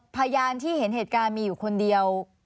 พยานที่เห็นเหตุการณ์มีอยู่คนเดียว